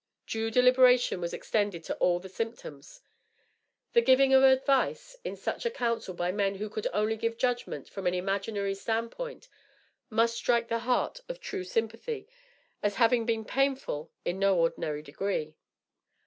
Due deliberation was extended to all the symptoms. The giving of advice in such a council by men who could only give judgment from an imaginary stand point, must strike the heart of true sympathy as having been painful in no ordinary degree.